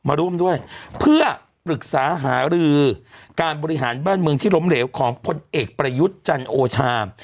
มาร่วมด้วยเพื่อปรึกษาหารือการบริหารบ้านเมืองที่ล้มเหลวของพลเอกประยุทธ์จันโอชา